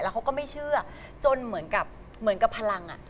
แล้วเขาก็ไม่เชื่อจนเหมือนกับพลัง